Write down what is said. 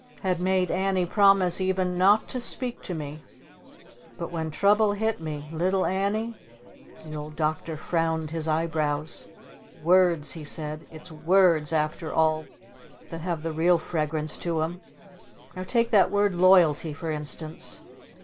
Had made Annie promise even not to speak to me. But when Trouble hit me, little Annie ?" The Old Doctor frowned his eyebrows. "Words!" he said. "It's words after all that have the real fragrance to 'em! Now take that word 'Loyalty' for instance.